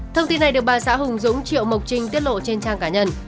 thông tin này được bà xã hùng dũng triệu mộc trinh tiết lộ trên trang cá nhân